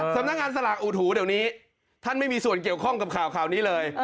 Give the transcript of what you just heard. สำนักงานสลากอุถูเดี๋ยวนี้ท่านไม่มีส่วนเกี่ยวข้องกับข่าวนี้เลย